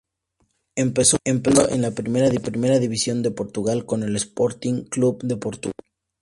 Empezó jugando en la Primera División de Portugal con el Sporting Clube de Portugal.